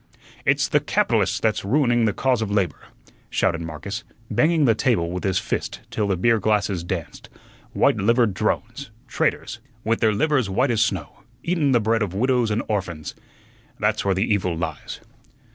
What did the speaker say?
"It's the capitalists that's ruining the cause of labor," shouted Marcus, banging the table with his fist till the beer glasses danced; "white livered drones, traitors, with their livers white as snow, eatun the bread of widows and orphuns; there's where the evil lies."